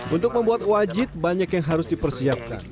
untuk membuat wajit banyak yang harus dipersiapkan